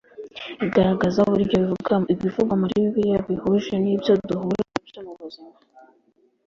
igaragaza uburyo ibivugwa muri Bibiliya bihuje n ibyo duhura na byo mu buzima